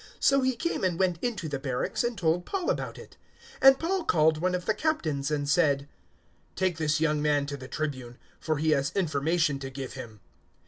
So he came and went into the barracks and told Paul about it; 023:017 and Paul called one of the Captains and said, "Take this young man to the Tribune, for he has information to give him."